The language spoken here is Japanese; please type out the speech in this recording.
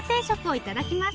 いただきます。